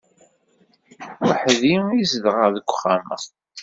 Weḥd-i i zedɣeɣ deg uxxam-a.